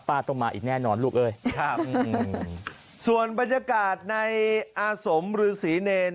ป้าต้องมาอีกแน่นอนลูกเอ้ยส่วนบรรยากาศในอาสมหรือศรีเนร